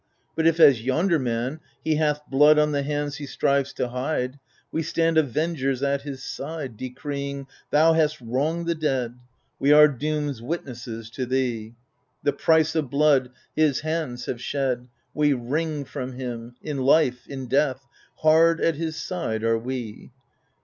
But if, as yonder man, he hath Blood on ihe hands he strives to hide, We stand avengers at his side, Decreeing, TAou hast wronged the dead: We are doan^s witnesses to thee. The price of blood, his hands have shed, We wring from him ; in life, in death, Hard at his side are we